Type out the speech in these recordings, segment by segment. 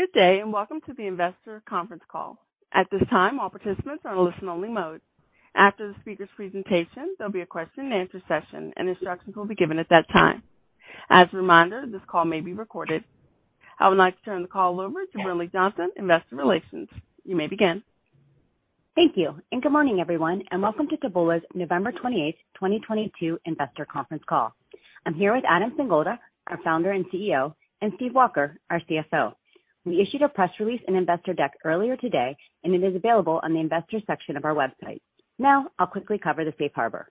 Good day, and welcome to the investor conference call. At this time, all participants are in listen only mode. After the speaker's presentation, there'll be a question and answer session, and instructions will be given at that time. As a reminder, this call may be recorded. I would like to turn the call over to Brenley Johnson, Investor Relations. You may begin. Thank you. Good morning, everyone. Welcome to Taboola's November 28th, 2022 investor conference call. I'm here with Adam Singolda, our Founder and CEO, and Steve Walker, our CFO. We issued a press release in investor deck earlier today. It is available on the investor section of our website. Now, I'll quickly cover the safe harbor.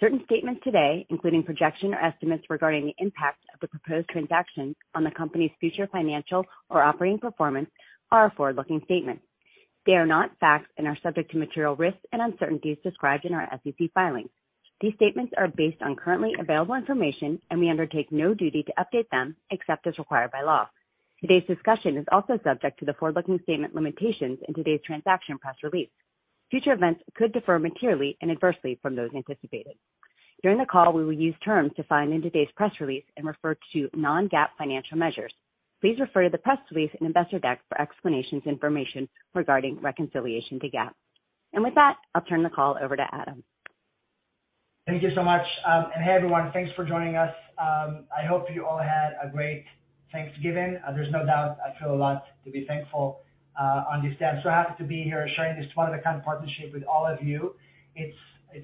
Certain statements today, including projection or estimates regarding the impact of the proposed transaction on the company's future financial or operating performance are a forward-looking statement. They are not facts and are subject to material risks and uncertainties described in our SEC filings. These statements are based on currently available information. We undertake no duty to update them except as required by law. Today's discussion is also subject to the forward-looking statement limitations in today's transaction press release. Future events could differ materially and adversely from those anticipated. During the call, we will use terms defined in today's press release and refer to non-GAAP financial measures. Please refer to the press release in investor deck for explanations information regarding reconciliation to GAAP. With that, I'll turn the call over to Adam. Thank you so much. Hey, everyone. Thanks for joining us. I hope you all had a great Thanksgiving. There's no doubt I feel a lot to be thankful on this day. I'm so happy to be here sharing this one of a kind partnership with all of you. It's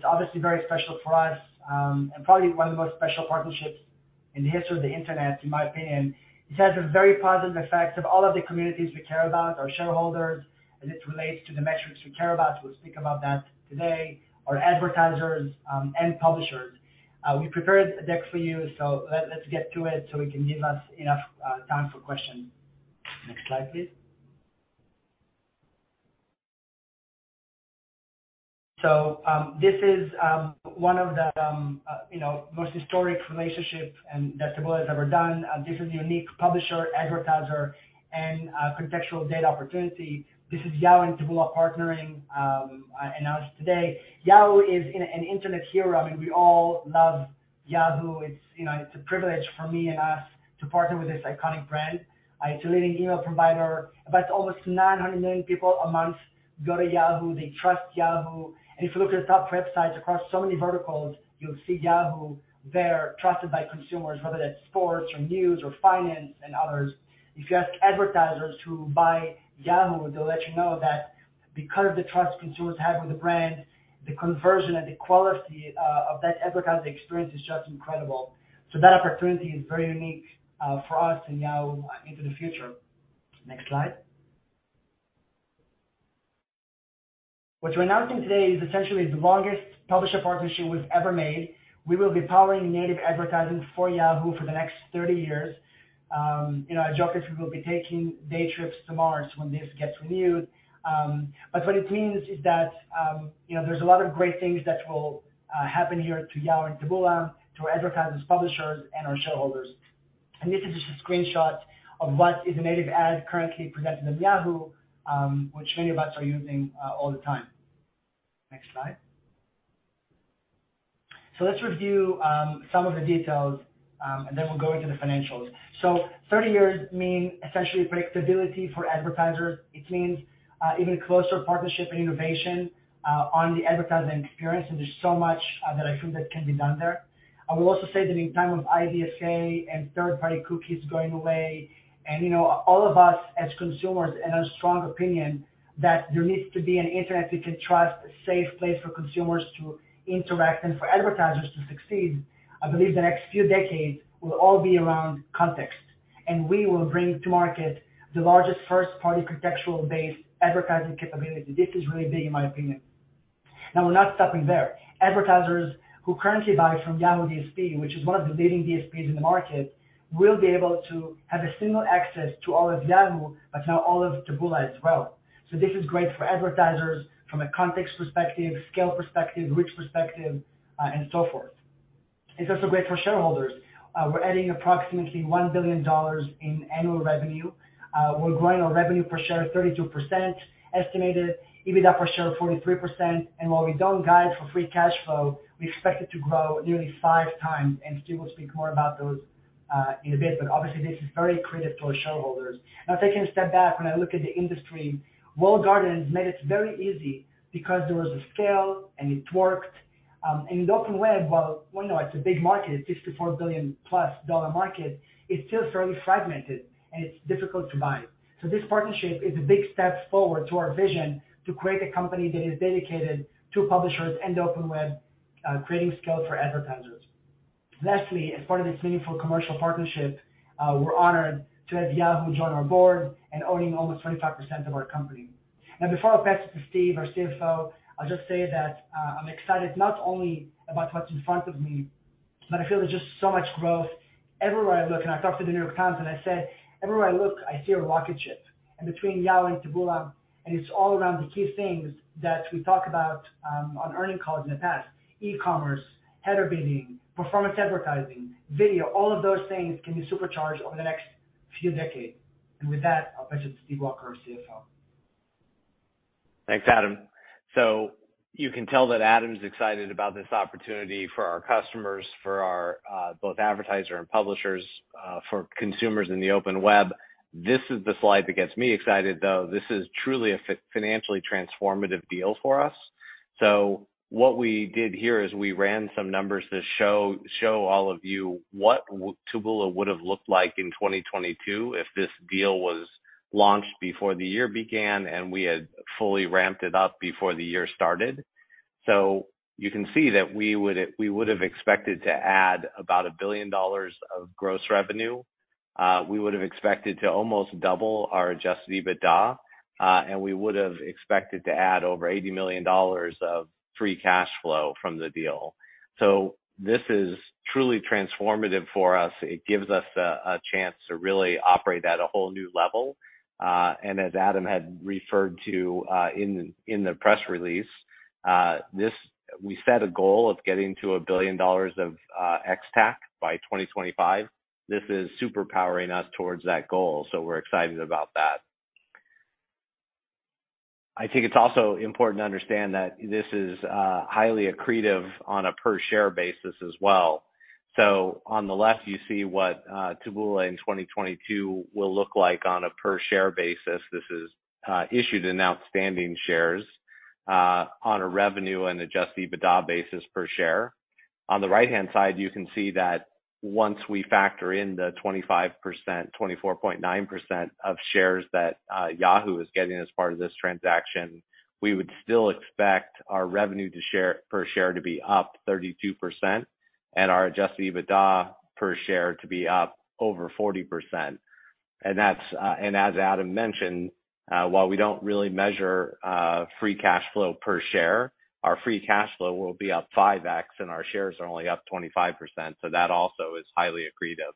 obviously very special for us, and probably one of the most special partnerships in the history of the Internet, in my opinion. It has a very positive effect of all of the communities we care about, our shareholders, as it relates to the metrics we care about. We'll speak about that today. Our advertisers and publishers. We prepared a deck for you, so let's get to it so we can give us enough time for questions. Next slide, please. This is, you know, one of the most historic relationships that Taboola has ever done. This is unique publisher, advertiser and contextual data opportunity. This is Yahoo and Taboola partnering, announced today. Yahoo is an internet hero. I mean, we all love Yahoo. It's, you know, a privilege for me and us to partner with this iconic brand. It's a leading email provider. About almost 900 million people a month go to Yahoo. They trust Yahoo. If you look at the top websites across so many verticals, you'll see Yahoo. They're trusted by consumers, whether that's sports or news or finance and others. If you ask advertisers who buy Yahoo, they'll let you know that because of the trust consumers have with the brand, the conversion and the quality of that advertising experience is just incredible. That opportunity is very unique for us and Yahoo into the future. Next slide. What you're announcing today is essentially the longest publisher partnership we've ever made. We will be powering native advertising for Yahoo for the next 30 years. You know, I joke that we will be taking day trips to Mars when this gets renewed. What it means is that there's a lot of great things that will happen here to Yahoo and Taboola, to advertisers, publishers and our shareholders. This is just a screenshot of what is a native ad currently presented on Yahoo, which many of us are using all the time. Next slide. Let's review some of the details, and then we'll go into the financials. 30 years means essentially predictability for advertisers. It means even closer partnership and innovation on the advertising experience. There's so much that I think that can be done there. I will also say that in time of IDFA and third-party cookies going away, you know, all of us as consumers and a strong opinion that there needs to be an Internet you can trust, a safe place for consumers to interact and for advertisers to succeed. I believe the next few decades will all be around context, and we will bring to market the largest first-party contextual based advertising capability. This is really big in my opinion. We're not stopping there. Advertisers who currently buy from Yahoo DSP, which is one of the leading DSPs in the market, will be able to have a single access to all of Yahoo, but now all of Taboola as well. This is great for advertisers from a context perspective, scale perspective, reach perspective, and so forth. It's also great for shareholders. We're adding approximately $1 billion in annual revenue. We're growing our revenue per share 32% estimated, EBITDA per share 43%. While we don't guide for free cash flow, we expect it to grow nearly five times, and Steve will speak more about those in a bit. Obviously this is very accretive to our shareholders. Taking a step back, when I look at the industry, Walled Gardens made it very easy because there was a scale and it worked. In the open web, well, you know, it's a big market. It's a $54 billion+ market. It's still fairly fragmented and it's difficult to buy. This partnership is a big step forward to our vision to create a company that is dedicated to publishers and open web, creating scale for advertisers. Lastly, as part of this meaningful commercial partnership, we're honored to have Yahoo join our board and owning almost 25% of our company. Before I pass it to Steve, our CFO, I'll just say that I'm excited not only about what's in front of me, but I feel there's just so much growth everywhere I look. I talked to The New York Times and I said, "Everywhere I look, I see a rocket ship." Between Yahoo and Taboola, and it's all around the key things that we talk about on earning calls in the past. E-commerce, header bidding, performance advertising, video, all of those things can be supercharged over the next few decades. With that, I'll pass it to Steve Walker, our CFO. Thanks, Adam. You can tell that Adam's excited about this opportunity for our customers, for our both advertiser and publishers, for consumers in the open web. This is the slide that gets me excited, though. This is truly a financially transformative deal for us. What we did here is we ran some numbers to show all of you what Taboola would have looked like in 2022 if this deal was launched before the year began, and we had fully ramped it up before the year started. You can see that we would have expected to add about $1 billion of gross revenue. We would have expected to almost double our Adjusted EBITDA, and we would have expected to add over $80 million of free cash flow from the deal. This is truly transformative for us. It gives us a chance to really operate at a whole new level. As Adam had referred to, in the press release, we set a goal of getting to $1 billion of Ex-TAC by 2025. This is super powering us towards that goal. We're excited about that. I think it's also important to understand that this is highly accretive on a per share basis as well. On the left, you see what Taboola in 2022 will look like on a per share basis. This is issued in outstanding shares, on a revenue and adjusted EBITDA basis per share. On the right-hand side, you can see that once we factor in the 25%, 24.9% of shares that Yahoo is getting as part of this transaction, we would still expect our revenue per share to be up 32% and our adjusted EBITDA per share to be up over 40%. That's, as Adam mentioned, while we don't really measure free cash flow per share, our free cash flow will be up 5x, and our shares are only up 25%. That also is highly accretive.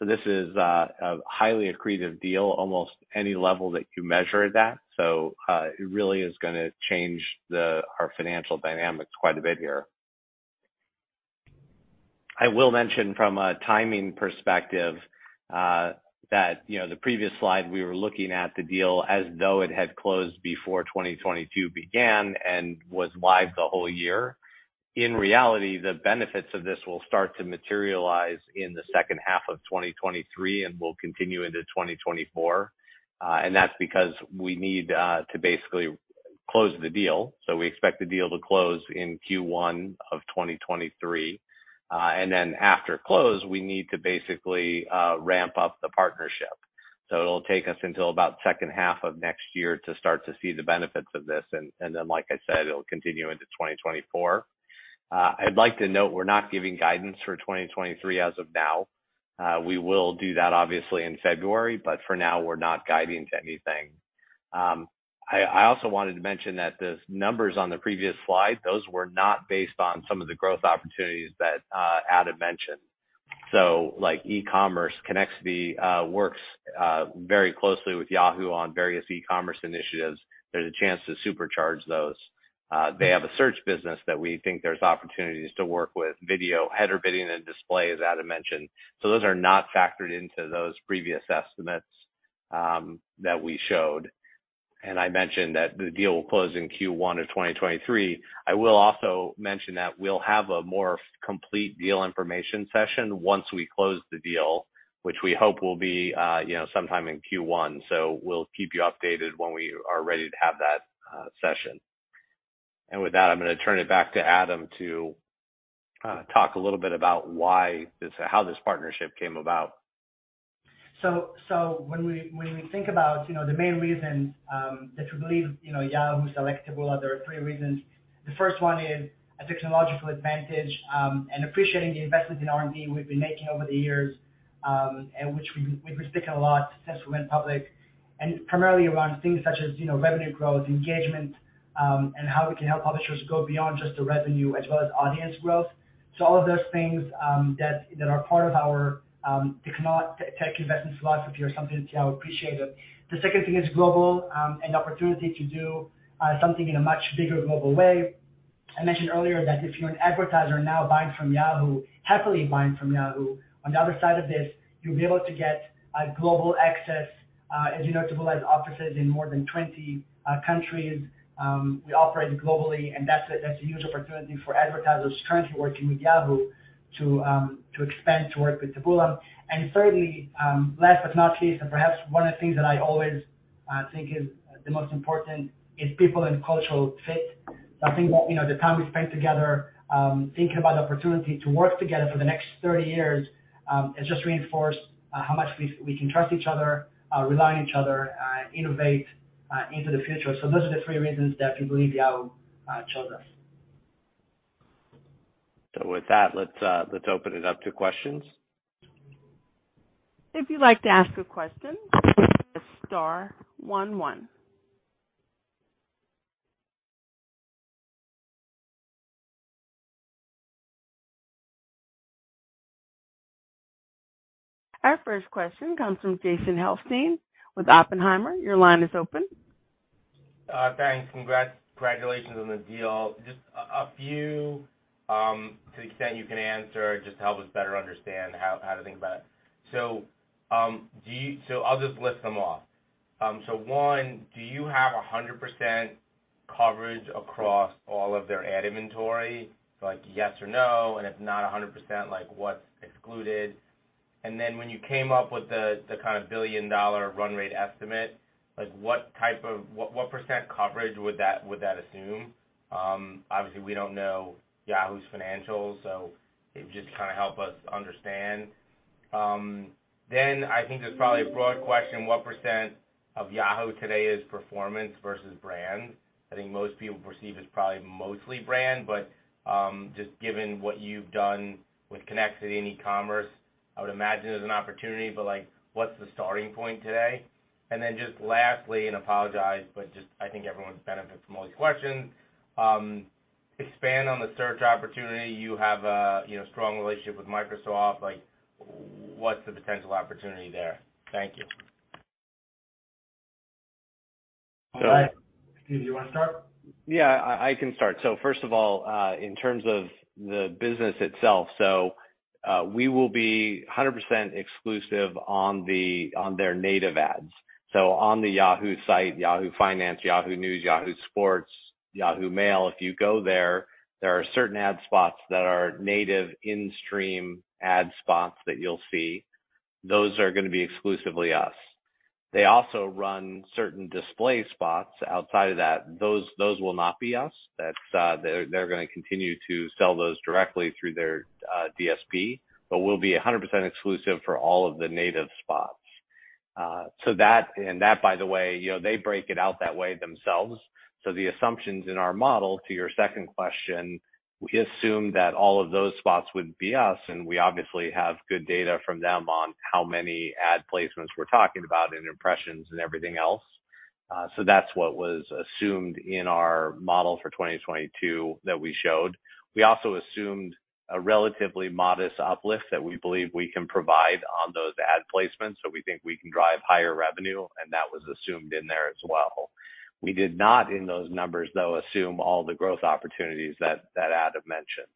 This is a highly accretive deal, almost any level that you measure that. It really is gonna change our financial dynamics quite a bit here. I will mention from a timing perspective, that, you know, the previous slide, we were looking at the deal as though it had closed before 2022 began and was live the whole year. In reality, the benefits of this will start to materialize in the second half of 2023 and will continue into 2024. That's because we need to basically close the deal. We expect the deal to close in Q1 of 2023. Then after close, we need to basically ramp up the partnership. It'll take us until about second half of next year to start to see the benefits of this. Then, like I said, it'll continue into 2024. I'd like to note we're not giving guidance for 2023 as of now. We will do that obviously in February, but for now, we're not guiding to anything. I also wanted to mention that those numbers on the previous slide, those were not based on some of the growth opportunities that Adam mentioned. Like e-commerce, Connexity works very closely with Yahoo on various e-commerce initiatives. There's a chance to supercharge those. They have a search business that we think there's opportunities to work with video, header bidding and display, as Adam mentioned. Those are not factored into those previous estimates that we showed. I mentioned that the deal will close in Q1 of 2023. I will also mention that we'll have a more complete deal information session once we close the deal, which we hope will be, you know, sometime in Q1. We'll keep you updated when we are ready to have that session. With that, I'm gonna turn it back to Adam to talk a little bit about how this partnership came about. When we think about the main reasons that we believe Yahoo selected Taboola, there are three reasons. The first one is a technological advantage, and appreciating the investments in R&D we've been making over the years, and which we've been speaking a lot since we went public, and primarily around things such as revenue growth, engagement, and how we can help publishers go beyond just the revenue as well as audience growth. All of those things that are part of our tech investment philosophy are something I would appreciate it. The second thing is global, and opportunity to do something in a much bigger global way. I mentioned earlier that if you're an advertiser now buying from Yahoo, happily buying from Yahoo, on the other side of this, you'll be able to get a global access. As you know, Taboola has offices in more than 20 countries. We operate globally, and that's a huge opportunity for advertisers currently working with Yahoo to expand to work with Taboola. Thirdly, last but not least, and perhaps one of the things that I always think is the most important is people and cultural fit. I think what, you know, the time we spent together, thinking about the opportunity to work together for the next 30 years, has just reinforced how much we can trust each other, rely on each other, innovate into the future. Those are the three reasons that we believe Yahoo chose us. With that, let's open it up to questions. If you'd like to ask a question, press star one one. Our first question comes from Jason Helfstein with Oppenheimer. Your line is open. Thanks. Congratulations on the deal. Just a few, to the extent you can answer just to help us better understand how to think about it. I'll just list them off. One, do you have 100% coverage across all of their ad inventory? Like, yes or no, and if not 100%, like what's excluded? When you came up with the kind of billion-dollar run rate estimate, like what type of what percent coverage would that assume? Obviously, we don't know Yahoo's financials, if you just kinda help us understand. I think there's probably a broad question, what percent of Yahoo today is performance versus brand? I think most people perceive it's probably mostly brand, but, just given what you've done with Connexity and e-commerce, I would imagine there's an opportunity, but like, what's the starting point today? Just lastly, and apologize, but just I think everyone benefits from all these questions, expand on the search opportunity. You have a, you know, strong relationship with Microsoft, like what's the potential opportunity there? Thank you. All right. Steve, do you wanna start? Yeah, I can start. First of all, in terms of the business itself, we will be 100% exclusive on their native ads. On the Yahoo site, Yahoo Finance, Yahoo News, Yahoo Sports, Yahoo Mail, if you go there are certain ad spots that are native in-stream ad spots that you'll see. Those are gonna be exclusively us. They also run certain display spots outside of that. Those will not be us. That's, they're gonna continue to sell those directly through their DSP, but we'll be 100% exclusive for all of the native spots. That, by the way, you know, they break it out that way themselves. The assumptions in our model, to your second question, we assume that all of those spots would be us, and we obviously have good data from them on how many ad placements we're talking about, and impressions and everything else. That's what was assumed in our model for 2022 that we showed. We also assumed a relatively modest uplift that we believe we can provide on those ad placements, so we think we can drive higher revenue, and that was assumed in there as well. We did not, in those numbers, though, assume all the growth opportunities that Adam mentioned.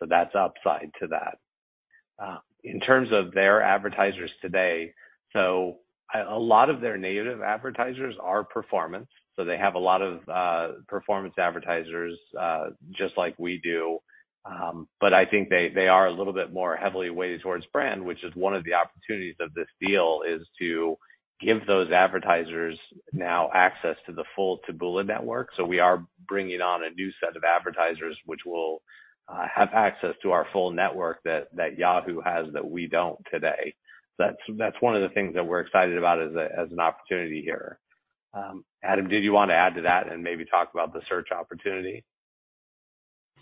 That's upside to that. In terms of their advertisers today, a lot of their native advertisers are performance, so they have a lot of performance advertisers, just like we do. I think they are a little bit more heavily weighted towards brand, which is one of the opportunities of this deal is to give those advertisers now access to the full Taboola network. We are bringing on a new set of advertisers which will have access to our full network that Yahoo has that we don't today. That's one of the things that we're excited about as an opportunity here. Adam, did you want to add to that and maybe talk about the search opportunity?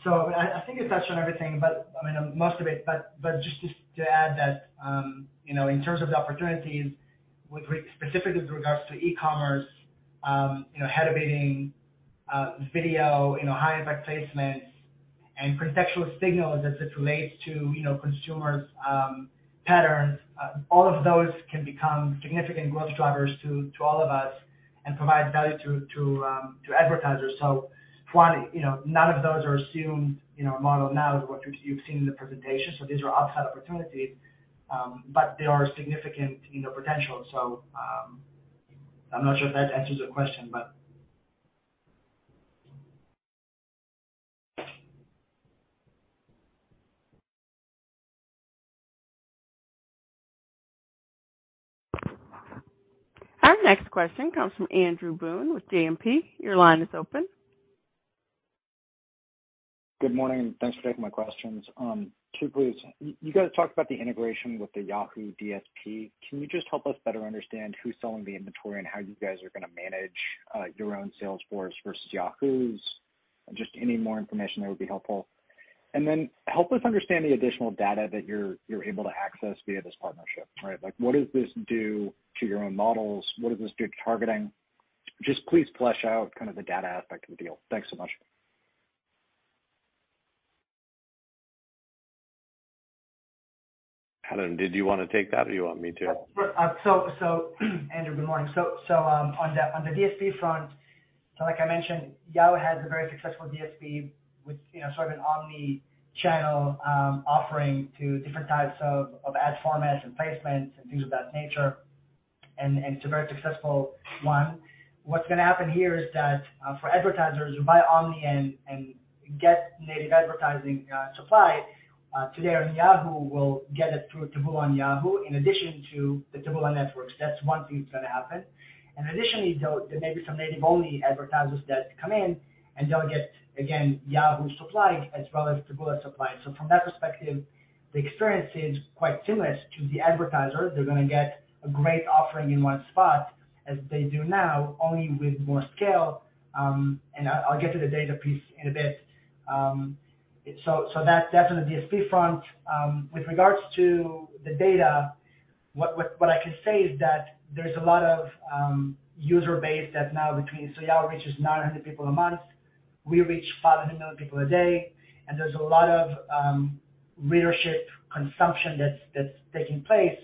I think you touched on everything, but I mean, most of it, but just to add that, you know, in terms of the opportunities with specifically with regards to e-commerce, you know, header bidding, video, you know, high impact placements and contextual signals as it relates to, you know, consumers' patterns, all of those can become significant growth drivers to all of us and provide value to advertisers. Plenty, you know, none of those are assumed, you know, modeled now what you've seen in the presentation, so these are upside opportunities, but they are significant, you know, potential. I'm not sure if that answers your question. Our next question comes from Andrew Boone with JMP. Your line is open. Good morning, thanks for taking my questions. Two please. You guys talked about the integration with the Yahoo DSP. Can you just help us better understand who's selling the inventory and how you guys are gonna manage your own sales force versus Yahoo's? Just any more information there would be helpful. Help us understand the additional data that you're able to access via this partnership, right? Like, what does this do to your own models? What does this do to targeting? Just please flesh out kind of the data aspect of the deal. Thanks so much. Adam, did you wanna take that, or you want me to? Sure. Andrew, good morning. on the DSP front, like I mentioned, Yahoo has a very successful DSP with, you know, sort of an omni-channel offering to different types of ad formats and placements and things of that nature, and it's a very successful one. What's gonna happen here is that for advertisers who buy omni and get native advertising supply today on Yahoo will get it through Taboola on Yahoo in addition to the Taboola networks. That's one thing that's gonna happen. Additionally, though, there may be some native-only advertisers that come in, and they'll get, again, Yahoo supply as well as Taboola supply. From that perspective, the experience is quite seamless to the advertiser. They're gonna get a great offering in one spot, as they do now, only with more scale. I'll get to the data piece in a bit. That's on the DSP front. With regards to the data, what I can say is that there's a lot of user base that now between, so Yahoo reaches 900 people a month. We reach 500 million people a day. There's a lot of readership consumption that's taking place.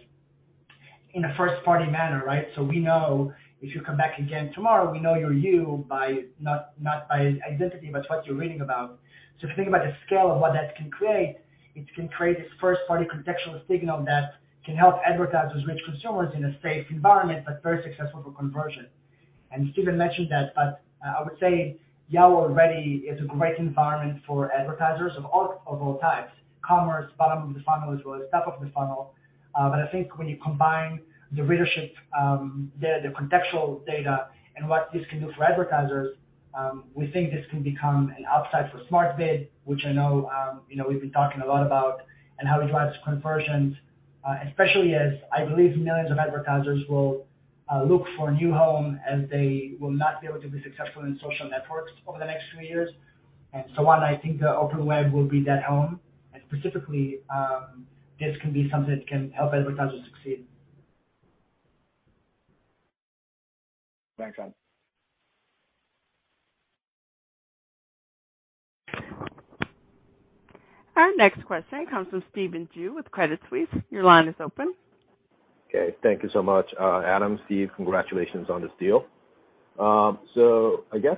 In a first party manner, right? So we know if you come back again tomorrow, we know you're you by, not by identity, but what you're reading about. If you think about the scale of what that can create, it can create this first party contextual signal that can help advertisers reach consumers in a safe environment, but very successful for conversion. Stephen mentioned that, but I would say Yahoo already is a great environment for advertisers of all types, commerce, bottom of the funnel as well as top of the funnel. But I think when you combine the readership, the contextual data and what this can do for advertisers, we think this can become an upside for SmartBid, which I know, you know, we've been talking a lot about and how it drives conversions, especially as I believe millions of advertisers will look for a new home, and they will not be able to be successful in social networks over the next few years. One, I think the open web will be that home. Specifically, this can be something that can help advertisers succeed. Thanks, Adam. Our next question comes from Stephen Ju with Credit Suisse. Your line is open. Okay. Thank you so much. Adam, Steve, congratulations on this deal. I guess,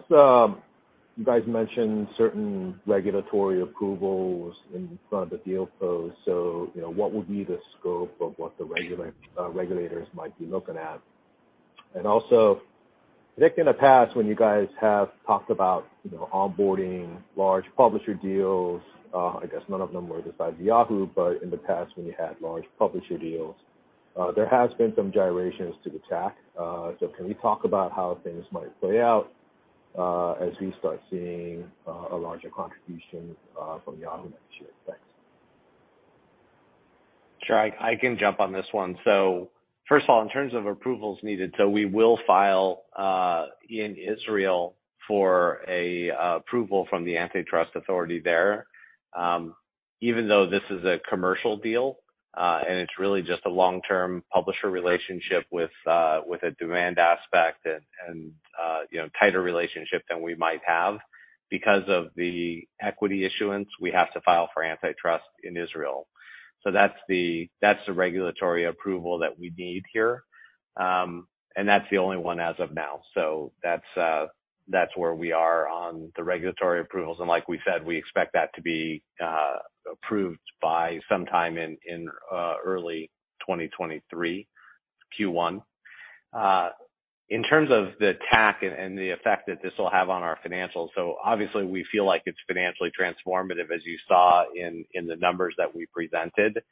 you guys mentioned certain regulatory approvals in front of the deal close. You know, what would be the scope of what the regulators might be looking at? Also, Nick, in the past when you guys have talked about, you know, onboarding large publisher deals, I guess none of them were the size of Yahoo, but in the past when you had large publisher deals, there has been some gyrations to the TAC. Can you talk about how things might play out as we start seeing a larger contribution from Yahoo next year? Thanks. Sure. I can jump on this one. First of all, in terms of approvals needed, we will file in Israel for a approval from the antitrust authority there. Even though this is a commercial deal, and it's really just a long-term publisher relationship with a demand aspect and, you know, tighter relationship than we might have. Because of the equity issuance, we have to file for antitrust in Israel. That's the regulatory approval that we need here. And that's the only one as of now. That's where we are on the regulatory approvals. And like we said, we expect that to be approved by sometime in early 2023, Q1. In terms of the TAC and the effect that this will have on our financials, obviously we feel like it's financially transformative, as you saw in the numbers that we presented.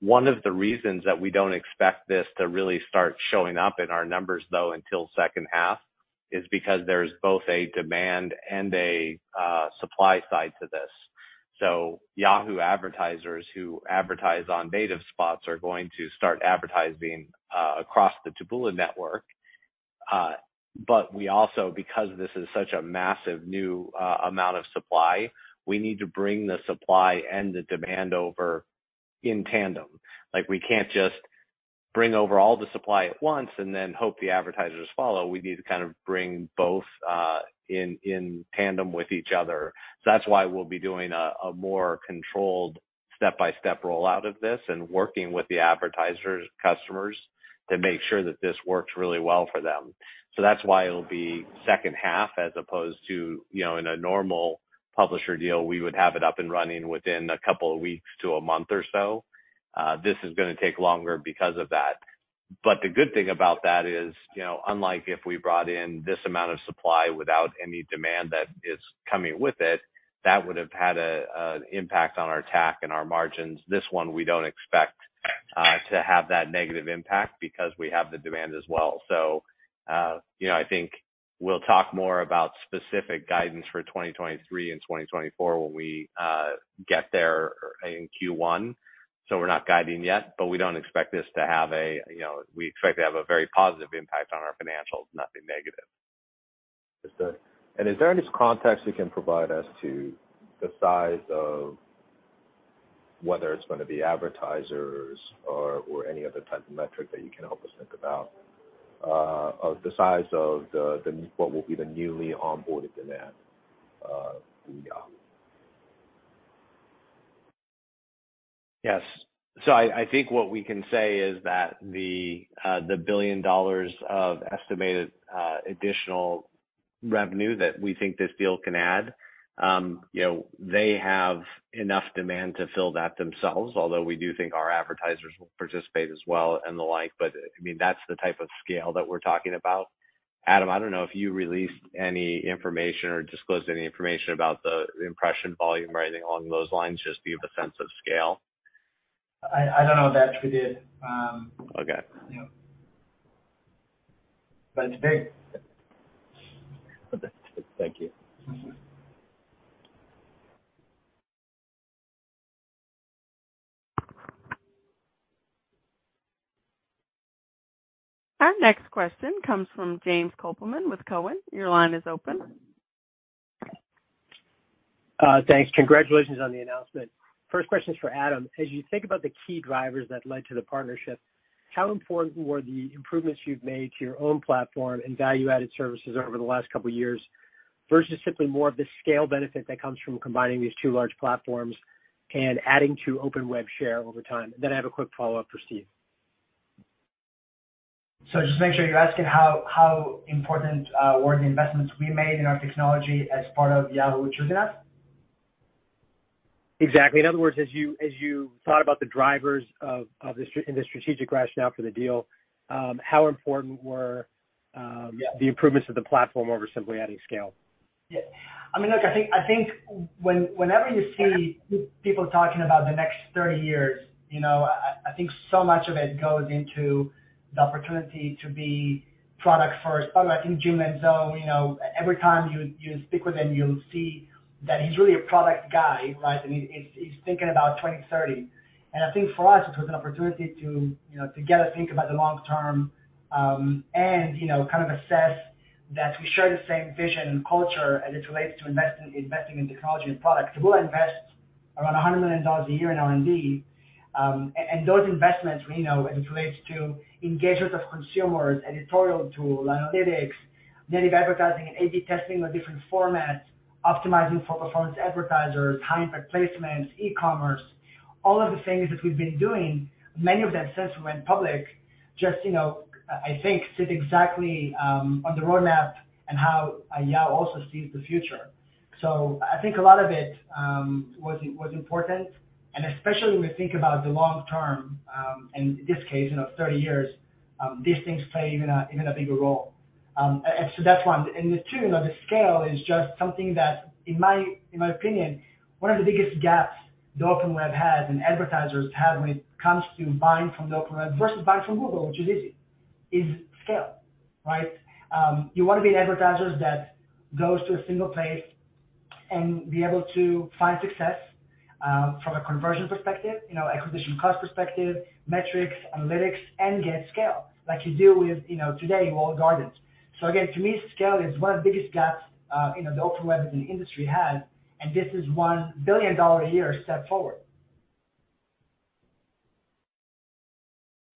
One of the reasons that we don't expect this to really start showing up in our numbers though, until second half is because there's both a demand and a supply side to this. Yahoo advertisers who advertise on native spots are going to start advertising across the Taboola network. We also, because this is such a massive new amount of supply, we need to bring the supply and the demand over in tandem. Like, we can't just bring over all the supply at once and then hope the advertisers follow. We need to kind of bring both in tandem with each other. That's why we'll be doing a more controlled step-by-step rollout of this and working with the advertisers, customers to make sure that this works really well for them. That's why it'll be second half as opposed to, you know, in a normal publisher deal, we would have it up and running within a couple of weeks to a month or so. This is gonna take longer because of that. The good thing about that is, you know, unlike if we brought in this amount of supply without any demand that is coming with it, that would've had an impact on our TAC and our margins. This one we don't expect to have that negative impact because we have the demand as well. You know, I think we'll talk more about specific guidance for 2023 and 2024 when we get there in Q1. We're not guiding yet, but we don't expect this to have, you know, we expect to have a very positive impact on our financials, nothing negative. Understood. Is there any context you can provide as to the size of whether it's gonna be advertisers or any other type of metric that you can help us think about of the size of the what will be the newly onboarded demand through Yahoo? Yes. I think what we can say is that the $1 billion of estimated additional revenue that we think this deal can add, you know, they have enough demand to fill that themselves, although we do think our advertisers will participate as well and the like. I mean, that's the type of scale that we're talking about. Adam, I don't know if you released any information or disclosed any information about the impression volume or anything along those lines, just to give a sense of scale. I don't know that we did. Okay. Yeah. It's big. Thank you. Mm-hmm. Our next question comes from James Kopelman with Cowen. Your line is open. Thanks. Congratulations on the announcement. First question is for Adam. As you think about the key drivers that led to the partnership, how important were the improvements you've made to your own platform and value-added services over the last couple years? Versus simply more of the scale benefit that comes from combining these two large platforms and adding to open web share over time. I have a quick follow-up for Steve. Just to make sure, you're asking how important were the investments we made in our technology as part of Yahoo choosing us? Exactly. In other words, as you thought about the drivers of the strategic rationale for the deal, how important were? Yeah. The improvements to the platform over simply adding scale? Yeah. I mean, look, I think, whenever you see people talking about the next 30 years, you know, I think so much of it goes into the opportunity to be product first. Although I think Eldad Maniv, you know, every time you speak with him, you'll see that he's really a product guy, right? He's thinking about 2030. I think for us, it was an opportunity to, you know, to get to think about the long-term, and, you know, kind of assess that we share the same vision and culture as it relates to investing in technology and product. Taboola invests around $100 million a year in R&D. Those investments, we know, as it relates to engagement of consumers, editorial tool, analytics, native advertising, and A/B testing with different formats, optimizing for performance advertisers, high impact placements, e-commerce. All of the things that we've been doing, many of them since we went public, just, you know, I think sit exactly on the roadmap and how Yahoo also sees the future. I think a lot of it was important. Especially when we think about the long-term, in this case, you know, 30 years, these things play even a bigger role. That's one. The two, you know, the scale is just something that, in my opinion, one of the biggest gaps the open web has and advertisers have when it comes to buying from the open web versus buying from Google, which is easy, is scale, right? You want to be an advertiser that goes to a single place and be able to find success, from a conversion perspective, you know, acquisition cost perspective, metrics, analytics, and get scale like you do with, you know, today, Walled Gardens. Again, to me, scale is one of the biggest gaps, you know, the open web in the industry has, and this is a $1 billion a year step forward.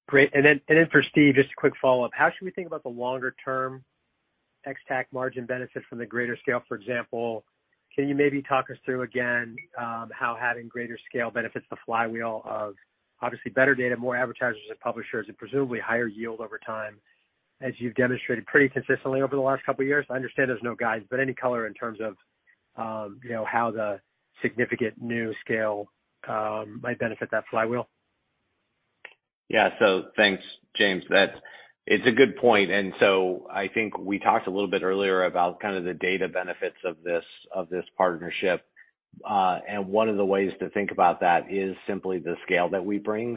Great. Then for Steve, just a quick follow-up. How should we think about the longer-term Ex-TAC margin benefit from the greater scale? For example, can you maybe talk us through again, how having greater scale benefits the flywheel of obviously better data, more advertisers and publishers, and presumably higher yield over time, as you've demonstrated pretty consistently over the last couple of years? I understand there's no guides, any color in terms of, you know, how the significant new scale might benefit that flywheel. Yeah. Thanks, James. It's a good point. I think we talked a little bit earlier about kind of the data benefits of this partnership. One of the ways to think about that is simply the scale that we bring.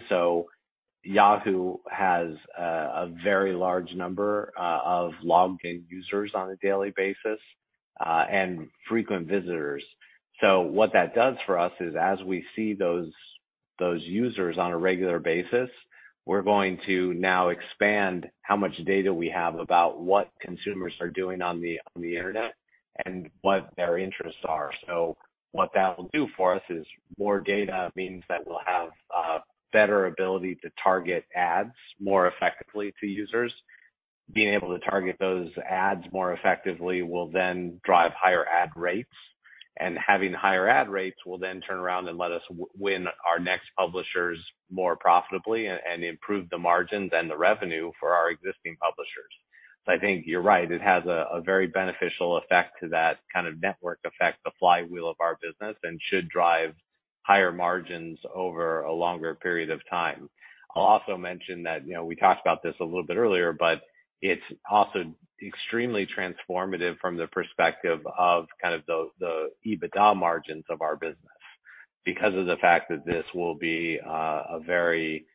Yahoo has a very large number of logged in users on a daily basis and frequent visitors. What that does for us is as we see those users on a regular basis, we're going to now expand how much data we have about what consumers are doing on the Internet and what their interests are. What that will do for us is more data means that we'll have better ability to target ads more effectively to users. Being able to target those ads more effectively will then drive higher ad rates, and having higher ad rates will then turn around and let us win our next publishers more profitably and improve the margins and the revenue for our existing publishers. I think you're right. It has a very beneficial effect to that kind of network effect, the flywheel of our business, and should drive higher margins over a longer period of time. I'll also mention that, you know, we talked about this a little bit earlier, but it's also extremely transformative from the perspective of kind of the EBITDA margins of our business. Because of the fact that this will be a very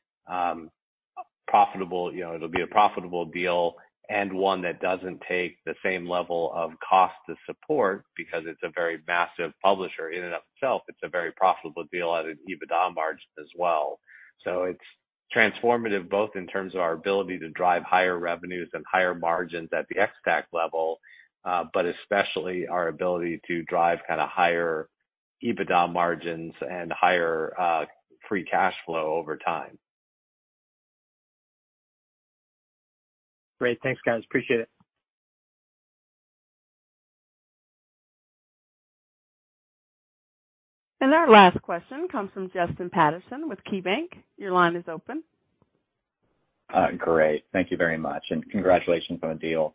profitable, you know, it'll be a profitable deal and one that doesn't take the same level of cost to support because it's a very massive publisher in and of itself. It's a very profitable deal at an EBITDA margin as well. It's transformative both in terms of our ability to drive higher revenues and higher margins at the Ex-TAC level, but especially our ability to drive kind of higher EBITDA margins and higher free cash flow over time. Great. Thanks, guys. Appreciate it. Our last question comes from Justin Patterson with KeyBanc. Your line is open. Great. Thank you very much, and congratulations on the deal.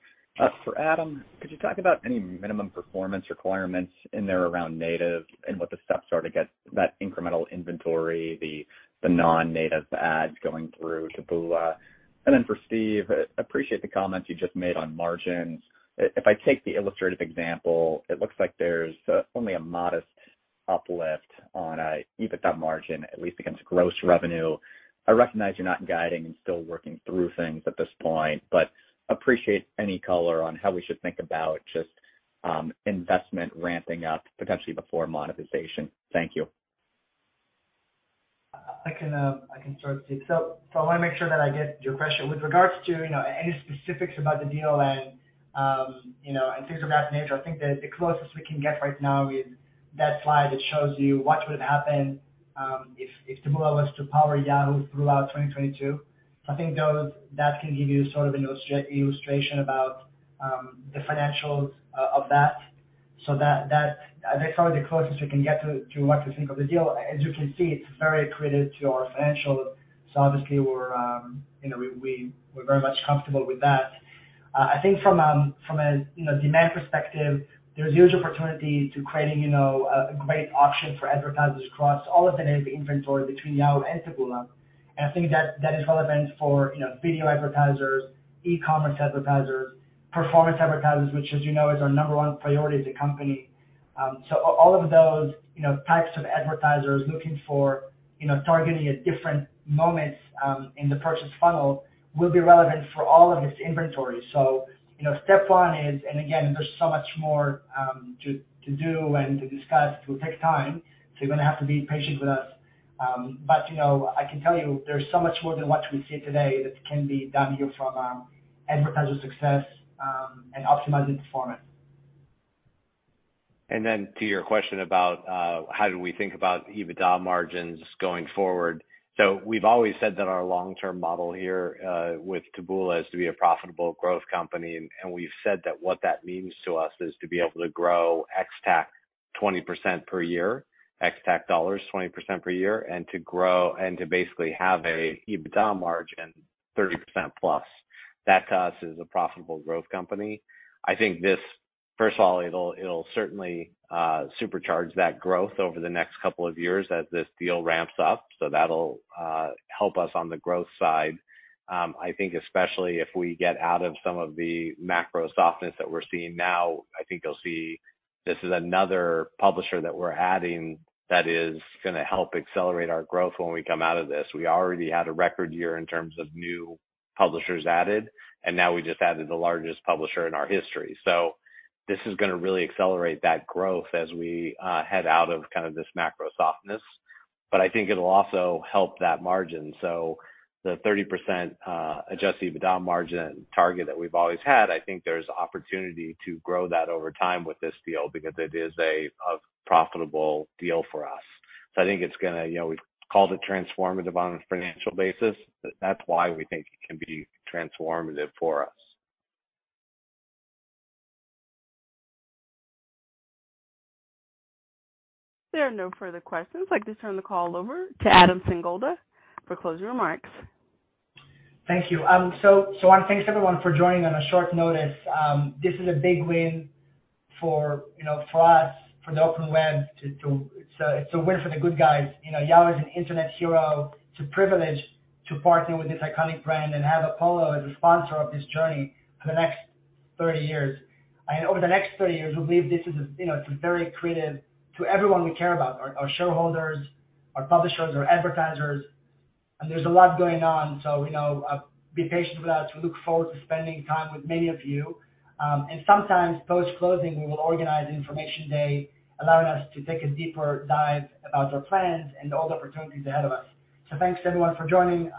For Adam, could you talk about any minimum performance requirements in there around native and what the steps are to get that incremental inventory, the non-native ads going through Taboola? Then for Steve, appreciate the comments you just made on margins. If I take the illustrative example, it looks like there's only a modest uplift on a EBITDA margin, at least against gross revenue. I recognize you're not guiding and still working through things at this point, but appreciate any color on how we should think about just investment ramping up potentially before monetization. Thank you. I can start, Steve. I wanna make sure that I get your question. With regards to, you know, any specifics about the deal, you know, and things of that nature, I think that the closest we can get right now is that slide that shows you what would happen if Taboola was to power Yahoo throughout 2022. I think that can give you sort of an illustration about the financials of that, so that. That's probably the closest you can get to what you think of the deal. As you can see, it's very accretive to our financials, so obviously we're, you know, very much comfortable with that. I think from a, you know, demand perspective, there's huge opportunity to creating, you know, a great option for advertisers across all of the native inventory between Yahoo and Taboola. I think that is relevant for, you know, video advertisers, e-commerce advertisers, performance advertisers, which, as you know, is our number one priority as a company. All of those, you know, types of advertisers looking for, you know, targeting at different moments in the purchase funnel will be relevant for all of this inventory. You know, step one is, and again, there's so much more to do and to discuss. It will take time. You're gonna have to be patient with us. You know, I can tell you there's so much more than what we see today that can be done here from advertiser success and optimizing performance. To your question about how do we think about EBITDA margins going forward. We've always said that our long-term model here with Taboola is to be a profitable growth company, and we've said that what that means to us is to be able to grow Ex-TAC 20% per year, Ex-TAC dollars 20% per year, and to basically have a EBITDA margin 30%+. That to us is a profitable growth company. I think this, first of all, it'll certainly supercharge that growth over the next couple of years as this deal ramps up, so that'll help us on the growth side. I think especially if we get out of some of the macro softness that we're seeing now, I think you'll see this is another publisher that we're adding that is gonna help accelerate our growth when we come out of this. We already had a record year in terms of new publishers added, and now we just added the largest publisher in our history. This is gonna really accelerate that growth as we head out of kind of this macro softness. I think it'll also help that margin. The 30% adjusted EBITDA margin target that we've always had, I think there's opportunity to grow that over time with this deal because it is a profitable deal for us. I think it's gonna, you know, we've called it transformative on a financial basis. That's why we think it can be transformative for us. There are no further questions. I'd like to turn the call over to Adam Singolda for closing remarks. Thank you. So I wanna thanks everyone for joining on a short notice. This is a big win for, you know, for us, for the open web. It's a win for the good guys. You know, Yahoo is an internet hero. It's a privilege to partner with this iconic brand and have Apollo as a sponsor of this journey for the next 30 years. Over the next 30 years, we believe this is, you know, it's very accretive to everyone we care about, our shareholders, our publishers, our advertisers. There's a lot going on, so, you know, be patient with us. We look forward to spending time with many of you. Sometimes post-closing, we will organize Information Day, allowing us to take a deeper dive about our plans and all the opportunities ahead of us. Thanks to everyone for joining.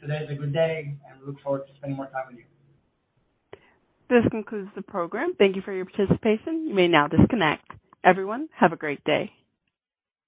Today is a good day, and we look forward to spending more time with you. This concludes the program. Thank you for your participation. You may now disconnect. Everyone, have a great day.